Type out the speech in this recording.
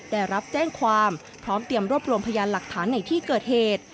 ได้รับแจ้งความพร้อมเตรียมรวบรวมพยานหลักฐานในที่เกิดเหตุ